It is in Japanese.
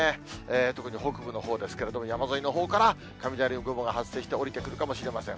とくに北部のほうですけれども、山沿いのほうから雷雲が発生して、下りてくるかもしれません。